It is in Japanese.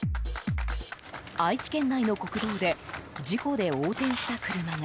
愛知県内の国道で事故で横転した車が。